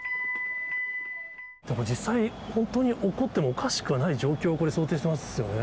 でも実際、本当に起こってもおかしくはない状況を、これ、想定してますよね。